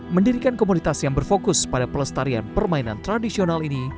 mendirikan komunitas yang berfokus pada pelestarian permainan tradisional ini